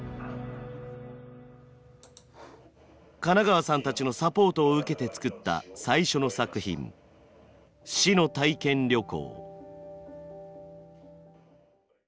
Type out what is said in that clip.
金川さんたちのサポートを受けて作った最初の作品「死の体験旅行」。